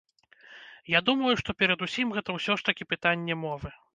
Я думаю, што перадусім гэта ўсё ж такі пытанне мовы.